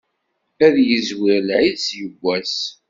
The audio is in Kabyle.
Ad izwer lɛid s yibbwas.